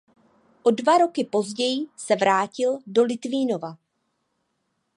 O dva roky později se vrátil do Litvínova.